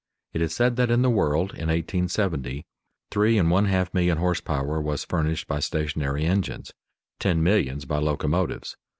It is said that in the world, in 1870, three and one half million horse power was furnished by stationary engines, ten millions by locomotives.